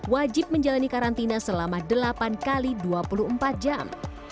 wajib menjalani karantina selama delapan x dua puluh empat jam